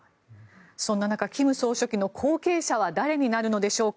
そんな中、金総書記の後継者は誰になるのでしょうか。